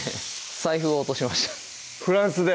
財布を落としましたフランスで？